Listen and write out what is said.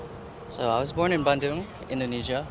saya lahir di bandung indonesia